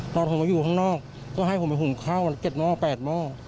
ตอนผมก็อยู่ข้างนอกก็ให้ผมไปหุงข้าว๗หม้อ๘หม้อ